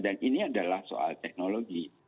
dan ini adalah soal teknologi